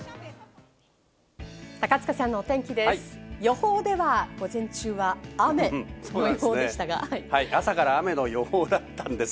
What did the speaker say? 高塚さんのお天気です。